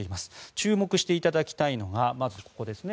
注目していただきたいのがまず、ここですね。